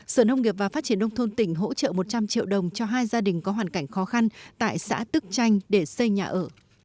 sở nông nghiệp và phát triển nông thôn tỉnh hỗ trợ một trăm linh triệu đồng cho hai gia đình có hoàn cảnh khó khăn tại xã tức chanh để xây nhà ở